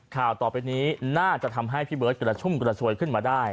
ข่าวต่อไปนี้น่าจะทำให้พี่เบิร์ตกระชุ่มกระชวยขึ้นมาได้